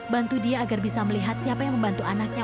bantu dia agar bisa melihat siapa yang membantu anaknya